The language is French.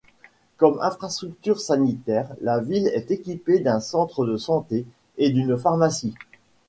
Comme infrastructure sanitaire, la ville est équipée d'un centre de santé et d'une pharmacie.